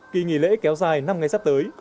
kỳ nghỉ lễ kéo dài năm ngày sắp tới